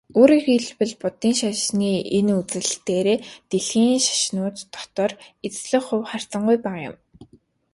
Өөрөөр хэлбэл, буддын шашин энэ үзүүлэлтээрээ дэлхийн шашнууд дотор эзлэх хувь харьцангуй бага юм.